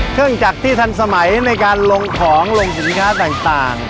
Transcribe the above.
เครื่องจักรที่ทันสมัยในการลงของลงสินค้าต่าง